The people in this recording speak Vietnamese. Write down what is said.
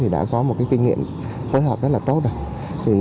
thì đã có một cái kinh nghiệm phối hợp rất là tốt